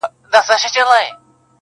• ما لیدلي دي کوهي د غمازانو -